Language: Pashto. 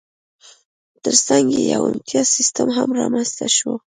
ترڅنګ یې یو امتیازي سیستم هم رامنځته شو